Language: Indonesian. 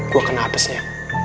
gue kena apesnya